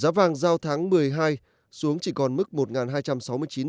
giá vàng giao tháng một mươi hai xuống chỉ còn mức một hai trăm sáu mươi chín usd một ounce